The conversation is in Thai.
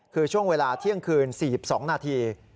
คือช่วงเวลาเที่ยงคืน๔๒นาที